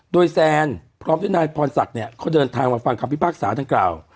โดยแซนพร้อมด้วยนายพรศักดิ์เนี่ยเขาเดินทางมาฟังคำพิพากษาดังกล่าว